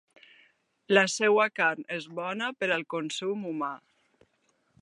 La seua carn és bona per al consum humà.